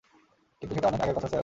কিন্তু সেটা অনেক আগের কথা, স্যার।